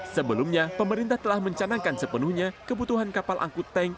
sebelumnya pemerintah telah mencanangkan sepenuhnya kebutuhan kapal angkut tank